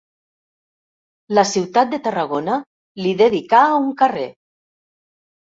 La ciutat de Tarragona li dedicà un carrer.